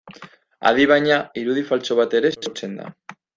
Adi baina, irudi faltsu bat ere sortzen da.